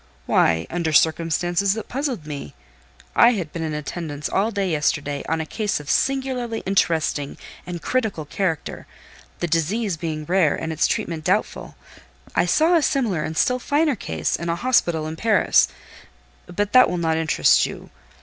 "Why, under circumstances that puzzled me. I had been in attendance all day yesterday on a case of singularly interesting and critical character; the disease being rare, and its treatment doubtful: I saw a similar and still finer case in a hospital in Paris; but that will not interest you.